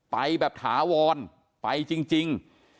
ไปแบบถาวรไปจริง